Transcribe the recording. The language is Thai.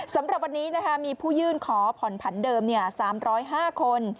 สำหรับวันนี้มีผู้ยื่นขอผ่อนผันเดิม๓๐๕คน